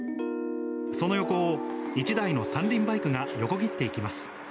その横を１台の三輪バイクが横切っていきます。